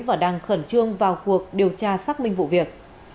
và đang khẩn trương vào cuộc điều tra xác minh vụ việc